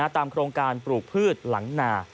ตามโครงการปลูกพืชหลังนา